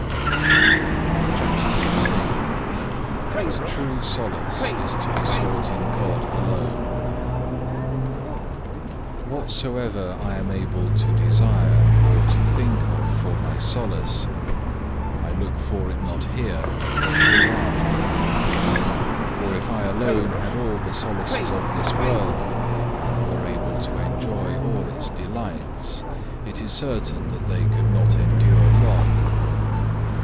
CHAPTER XVI That true solace is to be sought in God alone Whatsoever I am able to desire or to think of for my solace, I look for it not here, but hereafter. For if I alone had all the solaces of this world, and were able to enjoy all its delights, it is certain that they could not endure long.